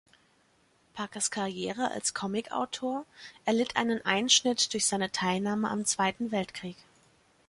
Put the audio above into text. Parkers Karriere als Comicautor erlitt einen Einschnitt durch seine Teilnahme am Zweiten Weltkrieg.